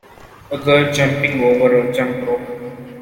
A girl jumping over a jump rope.